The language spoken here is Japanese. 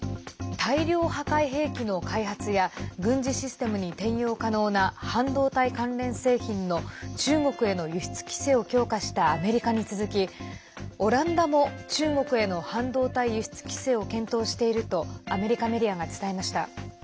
大量破壊兵器の開発や軍事システムに転用可能な半導体関連製品の中国への輸出規制を強化したアメリカに続きオランダも、中国への半導体輸出規制を検討しているとアメリカメディアが伝えました。